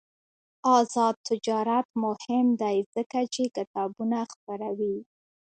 آزاد تجارت مهم دی ځکه چې کتابونه خپروي.